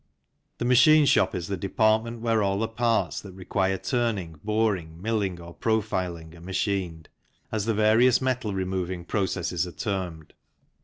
The Machine Shop is the department where all the parts that require turning, boring, milling, or profiling, are machined, as the various metal removing processes are termed.